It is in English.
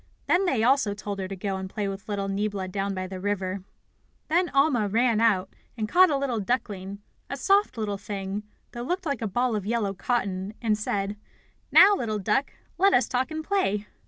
Then they also told her to go and play with little Niebla down by the river. Then Alma ran out, and caught a little duckling, a soft little thing, that looked like a ball of yellow cotton, and said: "Now, little duck, let us talk and play."